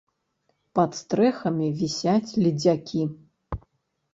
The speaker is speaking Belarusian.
Пад стрэхамі вісяць ледзякі.